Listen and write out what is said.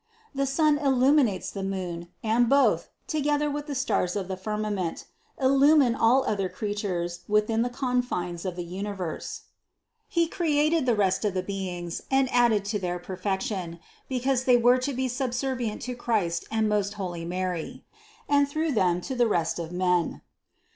The sun illuminates the moon; and both, together with the stars of the firmament, illumine all other creatures within the confines of the universe. 136. He created the rest of the beings and added to their perfection, because they were to be subservient to Christ and most holy Mary, and through them to the rest of men.